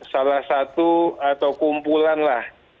salah satu atau kumpulan lah